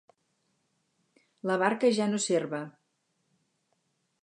La barca ja no serva.